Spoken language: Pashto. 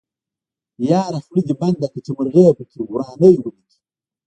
يره خوله بنده که چې مرغۍ پکې ورانی ونکي.